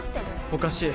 ・おかしい